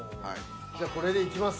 じゃあこれでいきます？